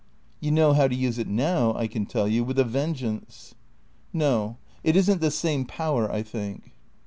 " You know how to use it now, I can tell you, with a ven geance." " No. It is n't the same power, I think."